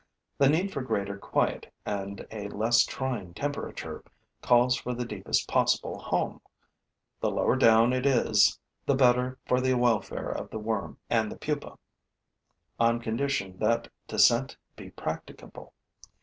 The need for greater quiet and a less trying temperature calls for the deepest possible home: the lower down it is, the better for the welfare of the worm and the pupa, on condition that descent be practicable.